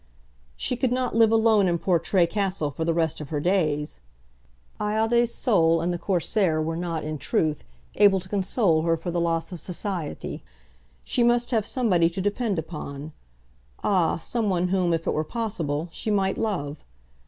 She could not live alone in Portray Castle for the rest of her days. Ianthe's soul and the Corsair were not, in truth, able to console her for the loss of society. She must have somebody to depend upon; ah, some one whom, if it were possible, she might love.